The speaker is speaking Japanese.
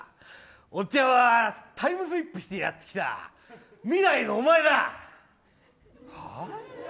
おっちゃんはタイムスリップしてやってきた未来のお前だ。はあ？